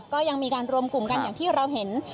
ก็ยังมีการรวมกลุ่มกันอย่างที่เราเห็น